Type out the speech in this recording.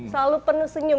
selalu penuh senyum